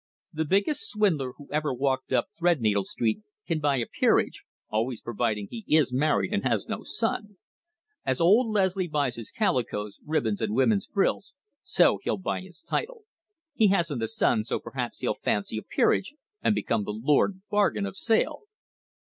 The biggest swindler who ever walked up Threadneedle Street can buy a peerage, always providing he is married and has no son. As old Leslie buys his calicoes, ribbons and women's frills, so he'll buy his title. He hasn't a son, so perhaps he'll fancy a peerage and become the Lord Bargain of Sale."